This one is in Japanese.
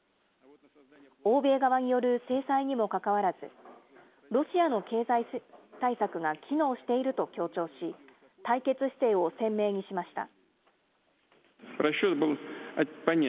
欧米側による制裁にもかかわらず、ロシアの経済対策が機能していると強調し、対決姿勢を鮮明にしました。